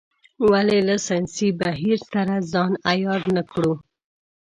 ولې له ساینسي بهیر سره ځان عیار نه کړو.